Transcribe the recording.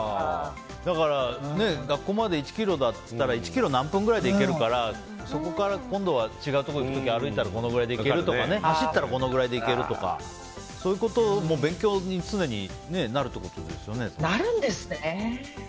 だから、学校まで１ｋｍだっていったら１ｋｍ何分くらいで行けるからそこから今度は違うところに行く時歩いたらこのぐらいで行けるとか走ったらこのぐらいで行けるとか勉強に常になるってことですよね。